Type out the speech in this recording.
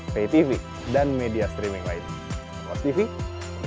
pay tv dan media streaming lain kompas tv independent